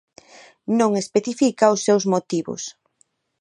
Non especifica os seus motivos.